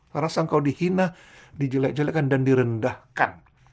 merasa engkau dihina dijelak jelakan dan direndahkan